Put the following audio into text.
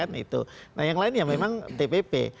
nah yang lain ya memang tpp